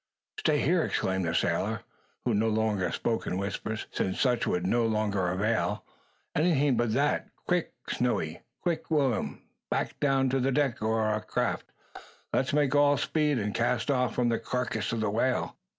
"Stay here!" exclaimed the sailor, who no longer spoke in whispers, since such would no longer avail. "Anything but that. Quick, Snowy, quick, Will'm! Back down to the deck o' our craft. Let's make all speed, and cast off from the karkiss o' the whale.